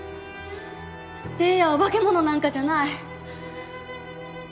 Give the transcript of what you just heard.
玲矢は化け物なんかじゃない。